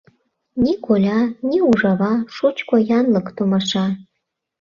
Ни коля, ни ужава Шучко янлык — томаша!»